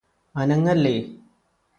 അനങ്ങല്ലേ